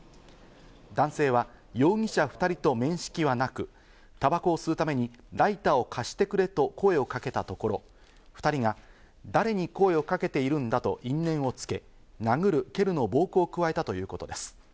男性は容疑者２人と面識はなく、タバコを吸うためにライターを貸してくれと声をかけたところ、２人が誰に声をかけているんだと因縁をつけ、殴る蹴るの暴行を加えたということです。